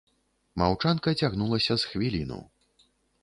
Маўчанка цягнулася з хвіліну.